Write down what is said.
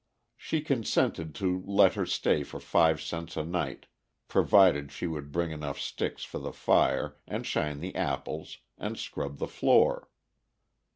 She consented to let her stay for five cents a night, provided she would bring enough sticks for the fire, and shine the apples, and scrub the floor.